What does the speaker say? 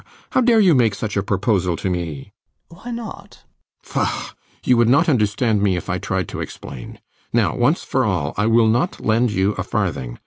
How dare you make such a proposal to me? LOUIS. Why not? RIDGEON. Faugh! You would not understand me if I tried to explain. Now, once for all, I will not lend you a farthing.